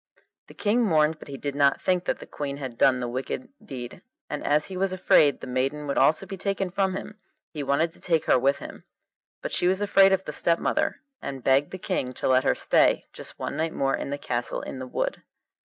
The King mourned, but he did not think that the Queen had done the wicked deed, and as he was afraid the maiden would also be taken from him, he wanted to take her with him. But she was afraid of the stepmother, and begged the King to let her stay just one night more in the castle in the wood.